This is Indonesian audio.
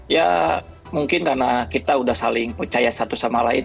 ya mungkin karena kita sudah saling percaya satu sama lain